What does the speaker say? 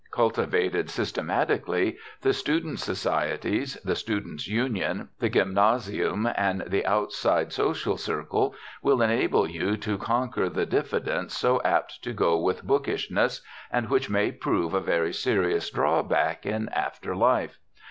Cultivated systematically, the student societies, the students' union, the gymnasium, and the outside social circle will enable you to conquer the diffidence so apt to go with bookishness and which may prove a very serious drawback in after life.